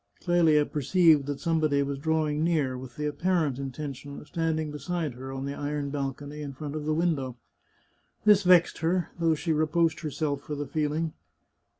Clelia perceived that somebody was drawing near, with the apparent intention of standing beside her on the iron balcony in front of the window. This vexed her, though she reproached herself for the feeling.